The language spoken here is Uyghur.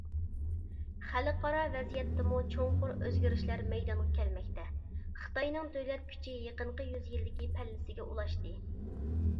خەلقئارا ۋەزىيەتتىمۇ چوڭقۇر ئۆزگىرىشلەر مەيدانغا كەلمەكتە، خىتاينىڭ دۆلەت كۈچى يېقىنقى يۈز يىلدىكى پەللىسىگە ئۇلاشتى .